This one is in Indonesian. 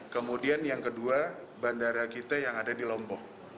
kemudian yang kedua bandara kita yang ada di lombok